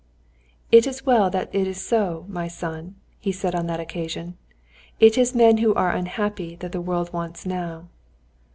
"It is well that it is so, my son," said he on that occasion; "_it is men who are unhappy that the world wants now.